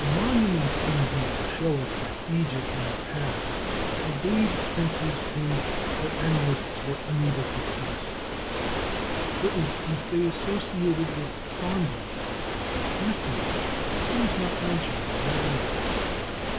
The monuments, indeed, show us that Egypt in the past obeyed princes whom her annalists were unable to classify: for instance, they associated with Sondi a Pirsenu, who is not mentioned in the annals.